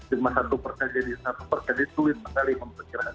cuma satu persen jadi satu persen jadi sulit sekali memperkirakan